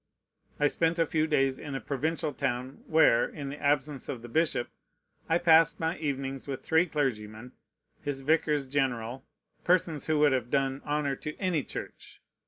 I spent a few days in a provincial town, where, in the absence of the bishop, I passed my evenings with three clergymen, his vicars general, persons who would have done honor to any church.